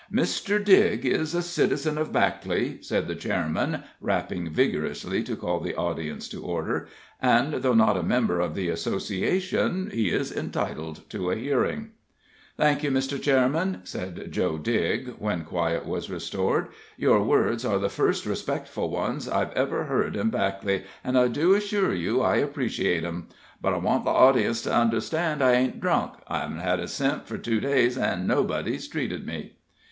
"Mr. Digg is a citizen of Backley," said the Chairman, rapping vigorously to call the audience to order, "and though not a member of the Association, he is entitled to a hearing." "Thank you, Mr. Chairman," said Joe Digg, when quiet was restored; "your words are the first respectful ones I've ever heard in Backley, an' I do assure you I appreciate 'em. But I want the audience to understand I ain't drunk I haven't had a cent for two days, an' nobody's treated me."